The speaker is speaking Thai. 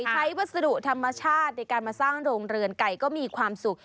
ใช้วัสดุธรรมชาติในการมาสร้างโรงเรือนไก่ก็มีความสุข